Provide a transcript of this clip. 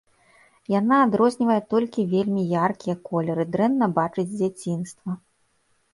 Яна адрознівае толькі вельмі яркія колеры, дрэнна бачыць з дзяцінства.